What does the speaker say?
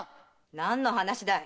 何の話だい？